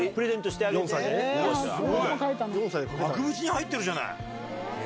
額縁に入ってるじゃない。